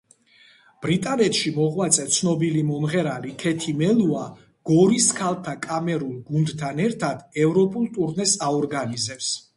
ბრიტანეთში მოღვაწე ცნობილი მომღერალი ქეთი მელუა გორის ქალთა კამერულ გუნდთან ერთად ევროპულ ტურნეს აორგანიზებს.